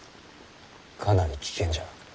かなり危険じゃな。